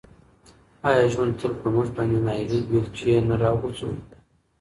آیا ژوند تل په موږ باندې د ناهیلۍ بیلچې نه راغورځوي؟